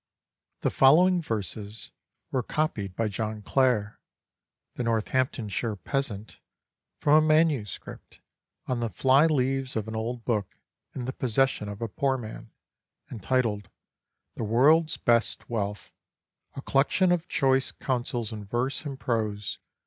[THE following verses were copied by John Clare, the Northamptonshire peasant, from a MS. on the fly leaves of an old book in the possession of a poor man, entitled The World's best Wealth; a Collection of choice Councils in Verse and Prose.